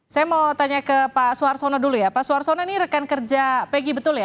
saya mau tanya ke pak suarsono dulu ya pak suarsono ini rekan kerja pegg betul ya